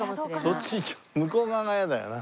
そっち向こう側が嫌だよな。